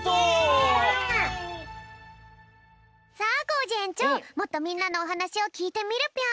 さあコージえんちょうもっとみんなのおはなしをきいてみるぴょん。